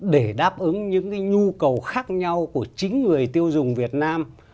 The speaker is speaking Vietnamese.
để đáp ứng những nhu cầu khác nhau của chính người tiêu dùng việt nam